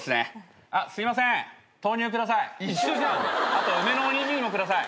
あと梅のおにぎりも下さい。